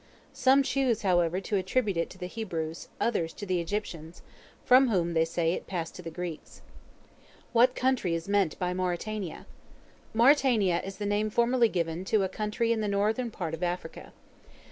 Some choose, however, to attribute it to the Hebrews; others to the Egyptians, from whom, they say, it passed to the Greeks. What country is meant by Mauritania? Mauritania is the name formerly given to a country in the northern part of Africa.